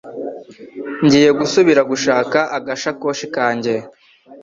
Ngiye gusubira gushaka agasakoshi kanjye